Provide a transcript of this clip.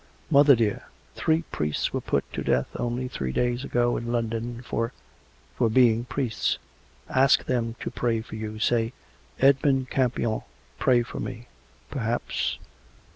"" Mother, dear. Three priests were put to death only three days ago in London — for ... for being priests. Ask them to pray for you. ... Say, Edmund Campion pray for me. Perhaps